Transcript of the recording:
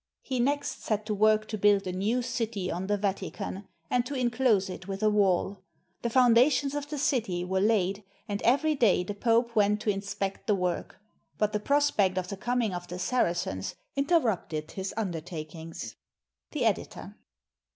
He next set to work to build a new city on the Vatican and to inclose it with a wall. The foundations of the city were laid, and every day the Pope went to inspect the work: but the prospect of the coming of the Saracens interrupted his undertakings. The Editor.